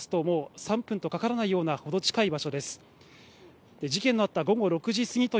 駅から歩きますと、もう、３分とかからないような、程近い場所です。